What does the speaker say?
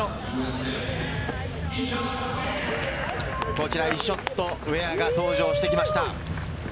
こちらイショッド・ウェアが登場してきました。